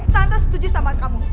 tante setuju sama kamu